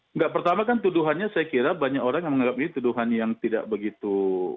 enggak pertama kan tuduhannya saya kira banyak orang yang menganggap ini tuduhan yang tidak begitu